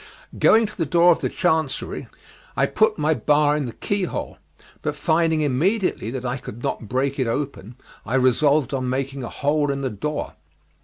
Going to the door of the chancery, I put my bar in the keyhole, but finding immediately that I could not break it open, I resolved on making a hole in the door.